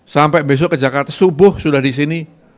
sampai besok ke jakarta subuh sudah di sini